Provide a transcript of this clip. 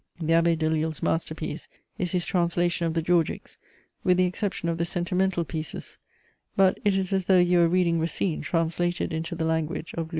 The Abbé Delille's masterpiece is his translation of the Georgics, with the exception of the sentimental pieces; but it is as though you were reading Racine translated into the language of Louis XV.